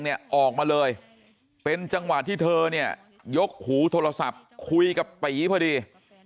ทีเนี่ยออกมาเลยเป็นจังหวะที่เธอนี่ยกหูโทรศัพท์คุยกับปี